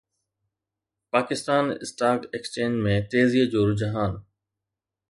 Pakistan stock exchange ۾ تيزيءَ جو رجحان